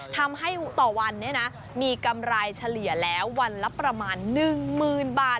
ทำให้ต่อวันเนี่ยนะมีกำไรเฉลี่ยแล้ววันละประมาณ๑หมื่นบาท